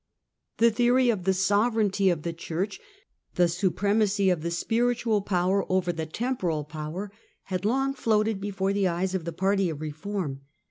The theory of the "Sovereignty of the Church," the supremacy of the spiritual power over the temporal power, had long floated before the eyes of the party of h eform.